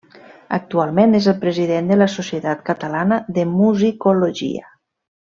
Actualment és el president de la Societat Catalana de Musicologia.